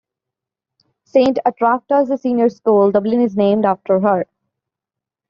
Saint Attracta's Senior School, Dublin is named after her.